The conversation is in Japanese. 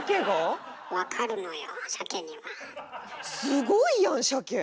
すごいやんサケ！